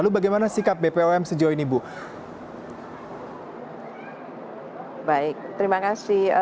baik terima kasih